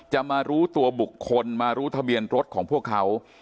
จะมารู้ตัวบุคคลมารู้ทะเบียนรถของพวกเขา